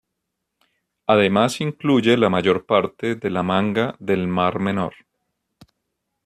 Además incluye la mayor parte de la Manga del Mar Menor.